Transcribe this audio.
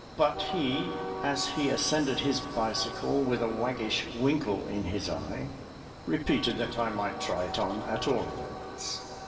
"] But he, as he ascended his bicycle with a waggish winkle in his eye, repeated that I might try it on at all events.